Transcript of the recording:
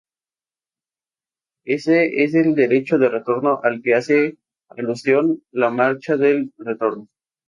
Ese es el derecho de retorno al que hace alusión la Marcha del Retorno.